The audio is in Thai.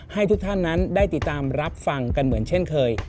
ให้ทุกท่านนั้นได้ติดตามรับฟังกันเหมือนเช่นเคย